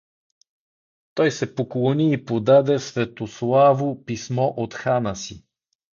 Той се поклони и подаде Светославу писмо от хана си.